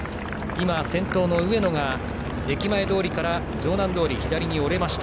先頭の上野が駅前通りから城南通りを左に折れました。